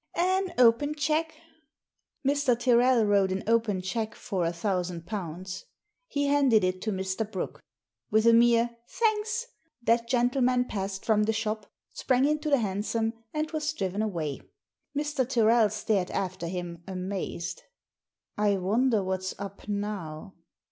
" An open cheque." Mr. Tyrrel wrote an open cheque for a thousand pounds. He handed it to Mr. Brooke. With a mere "Thanks!" that gentleman passed from the shop, sprang into the hansom, and was driven away. Mr. Tyrrel stared after him amazed. " I wonder what's up now?